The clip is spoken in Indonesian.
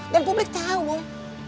dan publik tahu boy